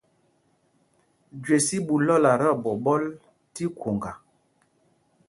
Jüés í ɓu lɔ́la tí oɓiɓɔl tí khoŋga.